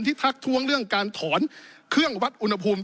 ทักทวงเรื่องการถอนเครื่องวัดอุณหภูมิ